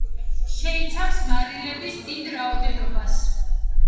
შეიცავს მარილების დიდ რაოდენობას.